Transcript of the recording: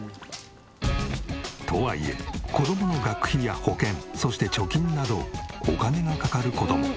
とはいえ子供の学費や保険そして貯金などお金がかかる事も。